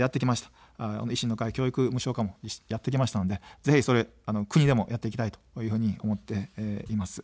維新の会、教育無償化もやってきたので、ぜひ国でもやっていきたいと思っています。